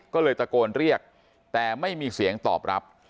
ก็เลยตะโกนเรียกแต่ไม่มีเสียงตอบรับ